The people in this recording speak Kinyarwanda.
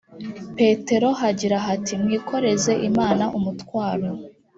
petero hagira hati mwikoreze imana umutwaro